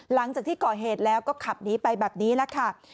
หลังจากที่ก่อเหตุแล้วก็ขับหนีไปแบบนี้แหละค่ะ